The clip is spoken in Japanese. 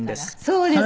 そうですね。